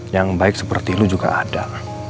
yang baik seperti lu juga ada